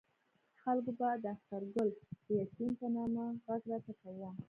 خلکو به د اخترګل د یتیم په نامه غږ راته کاوه.